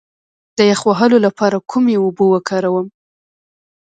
د یخ وهلو لپاره کومې اوبه وکاروم؟